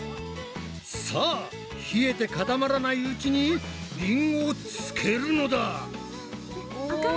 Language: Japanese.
さあ冷えて固まらないうちにりんごをつけるのだ！